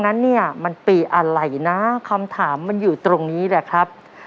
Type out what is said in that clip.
นั้นเนี่ยมันปีอะไรนะคำถามมันอยู่ตรงนี้แหละครับ